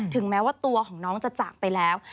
แม้ว่าตัวของน้องจะจากไปแล้ว